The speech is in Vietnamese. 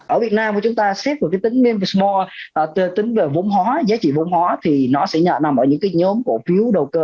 ở việt nam chúng ta xếp tính minh và small tính vốn hóa giá trị vốn hóa thì nó sẽ nhận nằm ở những nhóm cổ phiếu đầu cơ